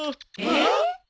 えっ？